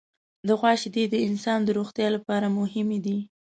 د غوا شیدې د انسان د روغتیا لپاره مهمې دي.